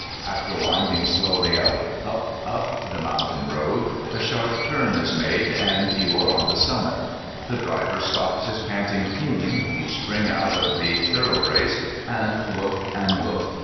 After winding slowly up, up, up the mountain road, a sharp turn is made, and you are on the summit. The driver stoj^s his panting team, you spring out of the "thorough brace," and look, and look, and look.